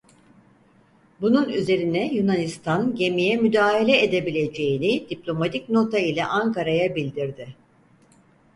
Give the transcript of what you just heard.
Bunun üzerine Yunanistan gemiye müdahale edebileceğini diplomatik nota ile Ankara'ya bildirdi.